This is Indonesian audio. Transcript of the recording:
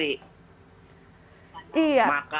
iya isi youtubenya kan tentang betawi